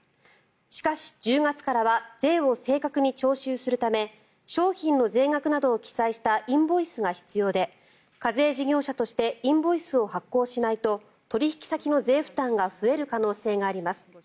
しかし、１０月からは税を正確に徴収するため商品の税額などを記載したインボイスが必要で課税事業者としてインボイスを発行しないと取引先の税負担が増える可能性があります。